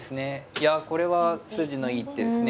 いやこれは筋のいい一手ですね。